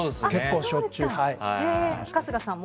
春日さんも？